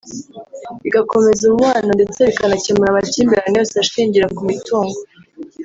bigakomeza umubano ndetse bikanakemura amakimbirane yose ashingira ku mitungo